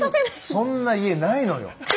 そんな家ないのよ。